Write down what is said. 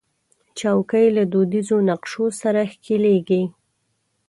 چوکۍ له دودیزو نقشو سره ښکليږي.